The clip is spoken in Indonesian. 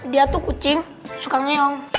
dia tuh kucing sukanya yang